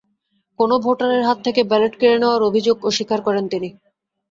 কোনো ভোটারের হাত থেকে ব্যালট কেড়ে নেওয়ার অভিযোগ অস্বীকার করেন তিনি।